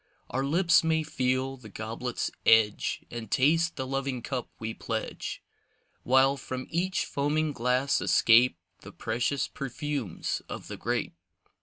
Our lips may feel the goblet's edge And taste the loving cup we pledge. While from each foaming glass escape The precious perfumes of the grape.